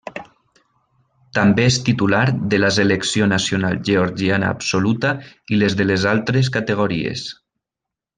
També és titular de la Selecció nacional georgiana absoluta i les de les altres categories.